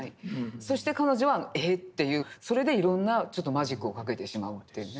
そして彼女はあの「エヘ」というそれでいろんなマジックをかけてしまうというね。